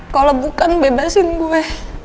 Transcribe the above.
kalau bukan bebasin gue